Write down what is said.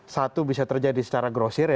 satu bisa terjadi secara grosir ya